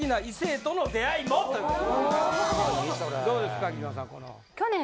どうですか？